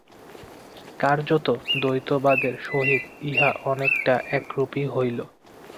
কার্যত দ্বৈতবাদের সহিত ইহা অনেকটা একরূপই হইল।